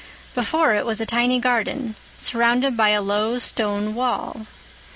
Before it was a tiny garden, surrounded by a low stone wall.